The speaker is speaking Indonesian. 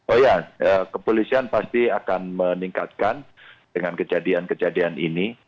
oh ya kepolisian pasti akan meningkatkan dengan kejadian kejadian ini